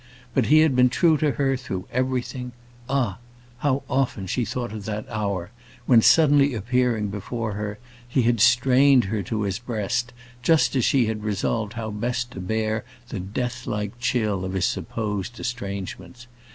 But he had been true to her through everything. Ah! how often she thought of that hour, when suddenly appearing before her, he had strained her to his breast, just as she had resolved how best to bear the death like chill of his supposed estrangements!